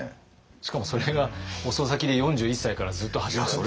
しかもそれが遅咲きで４１歳からずっと続いてる。